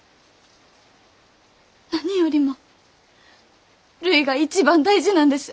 何よりもるいが一番大事なんです。